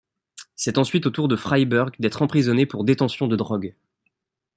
C'est ensuite au tour de Freiberg d'être emprisonné pour détention de drogue.